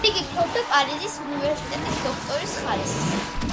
იგი ფლობდა პარიზის უნივერსიტეტის დოქტორის ხარისხს.